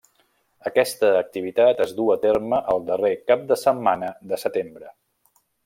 Aquesta activitat es duu a terme el darrer cap de setmana de setembre.